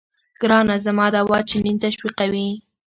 ګرانه زما دوا جنين تشويقوي.